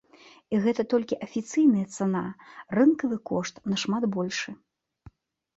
І гэта толькі афіцыйная цана, рынкавы кошт нашмат большы.